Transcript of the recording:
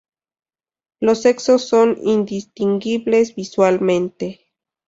Los sexos son indistinguibles visualmente.